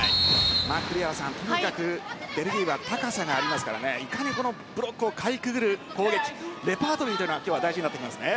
栗原さん、とにかくベルギーは高さがありますからいかにブロックをかいくぐる攻撃レパートリーが大事になってきますね。